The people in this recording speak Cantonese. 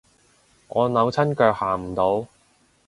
我扭親腳行唔到